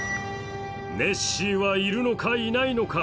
ネッシーはいるのか、いないのか？